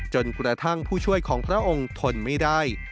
จนกระทั่งผู้ช่วยของพระองค์ทนไม่ได้